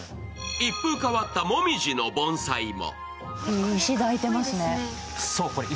一風変わったもみじの盆栽も。